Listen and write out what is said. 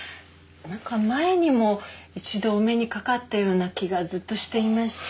なんか前にも一度お目にかかったような気がずっとしていまして。